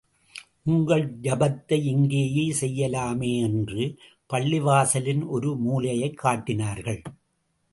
உங்கள் ஜபத்தை இங்கேயே செய்யலாமே என்று, பள்ளிவாசலின் ஒரு மூலையைக் காட்டினார்கள்.